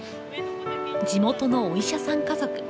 地元のお医者さん家族。